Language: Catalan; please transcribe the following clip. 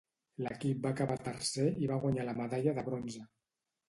L"equip va acabar tercer i va guanyar la medalla de bronze.